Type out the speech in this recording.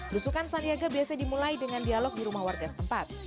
lusukan sandiaga biasanya dimulai dengan dialog di rumah warga tempat